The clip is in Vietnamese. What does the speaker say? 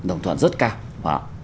đồng thuận rất cao